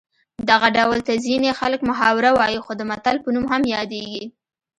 دغه ډول ته ځینې خلک محاوره وايي خو د متل په نوم هم یادیږي